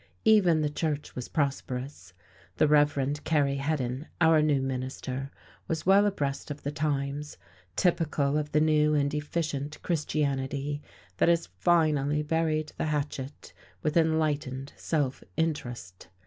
Even the church was prosperous; the Rev. Carey Heddon, our new minister, was well abreast of the times, typical of the new and efficient Christianity that has finally buried the hatchet with enlightened self interest.